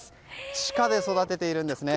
地下で育てているんですね。